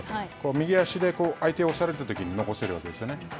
右足で、相手を押されたときに残せるわけですね。